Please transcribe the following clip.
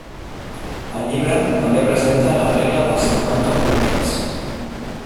El llibre també presenta la regla dels cinquanta moviments.